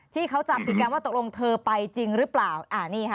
ที่เขาจับผิดกันว่าตกลงเธอไปจริงหรือเปล่าอ่านี่ค่ะ